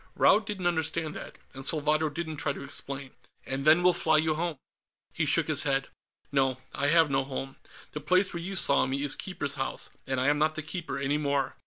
Raud didn't understand that, and Salvadro didn't try to explain. "And then we'll fly you home." He shook his head. "No, I have no home. The place where you saw me is Keeper's House, and I am not the Keeper any more.